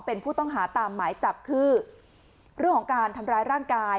เป็นผู้ต้องหาตามหมายจับคือเรื่องของการทำร้ายร่างกาย